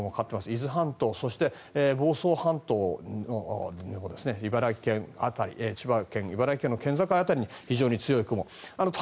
伊豆半島、そして房総半島茨城県辺り千葉県、茨城県の県境辺りに非常に強い雲。